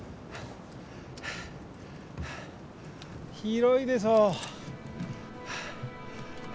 広いでしょう。